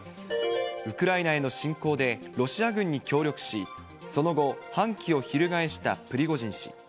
ウクライナへの侵攻で、ロシア軍に協力し、その後、反旗を翻したプリゴジン氏。